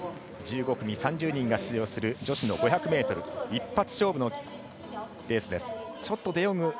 １５組３０人が出場する女子の５００ｍ一発勝負のレースです。